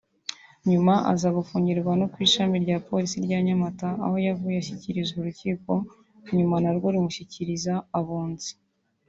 nyuma aza gufungirwa no ku ishami rya Polisi rya Nyamata aho yavuye ashyikirizwa urukiko nyuma narwo rumushyikiriza Abunzi